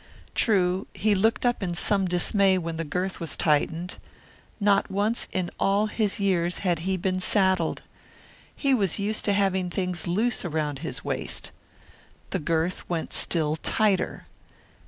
True, he looked up in some dismay when the girth was tightened. Not once in all his years had he been saddled. He was used to having things loose around his waist. The girth went still tighter.